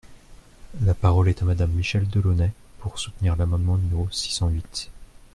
La parole est à Madame Michèle Delaunay, pour soutenir l’amendement numéro six cent huit.